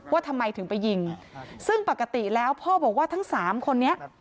ว่าทำไมถึงไปยิงซึ่งปกติแล้วพ่อบอกว่าทั้งสามคนนี้